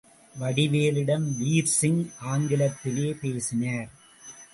வடிவேலிடம் வீர்சிங் ஆங்கிலத்திலே பேசினார்.